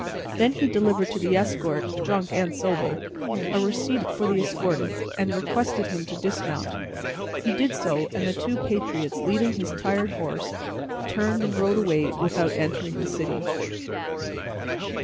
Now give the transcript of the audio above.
Then he delivered to the escort, drunk and sober, a receipt for the escorted, and requested him to dismount. He did so, and the two patriots, leading his tired horse, turned and rode away without entering the city.